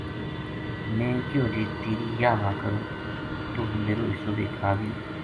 میں کہیو جے تیری یاہ واہ کروں توہ میرو حصو بے کھا گیو